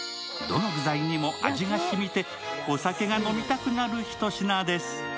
どの具材にも味がしみて、お酒が飲みたくなる一品です。